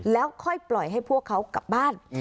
แล้วค่อยปล่อยให้พวกเขากลับบ้าน